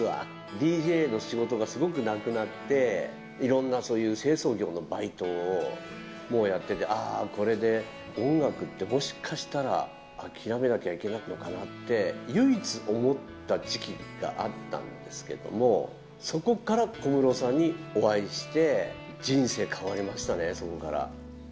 ＤＪの仕事がすごくなくなって、いろんなそういう清掃業のバイトもやってて、ああ、これで音楽ってもしかしたら諦めなきゃいけないのかなって、唯一思った時期があったんですけども、そこから小室さんにお会いして、人生変わりましたね、そこから。